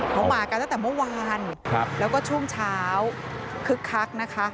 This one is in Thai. เขามากันตั้งแต่เมื่อวานแล้วก็ช่วงเช้าคึกคักนะคะ